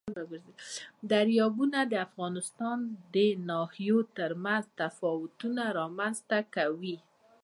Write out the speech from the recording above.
دریابونه د افغانستان د ناحیو ترمنځ تفاوتونه رامنځ ته کوي.